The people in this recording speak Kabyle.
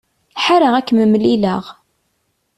Ḥareɣ ad kem-mlileɣ.